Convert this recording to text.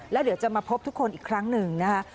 แล้วเดี๋ยวจะมาพบทุกคนอีกครั้งหนึ่งนะคะ